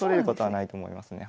ないと思いますね。